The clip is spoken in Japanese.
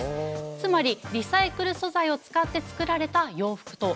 つまりリサイクル素材を使って作られた洋服ということなんですね。